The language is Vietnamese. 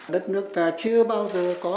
đất nước ta chưa bao giờ có